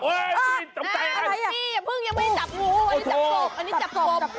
โอ๊ยพี่จำใจไงพี่อย่าเพิ่งยังไม่จับงูอันนี้จับโกบ